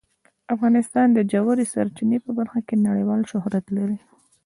افغانستان د ژورې سرچینې په برخه کې نړیوال شهرت لري.